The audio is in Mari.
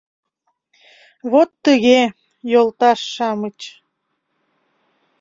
Вот тыге, йолташ-шамыч...